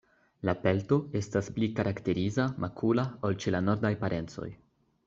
La pelto estas pli karakteriza, makula ol ĉe la nordaj parencoj.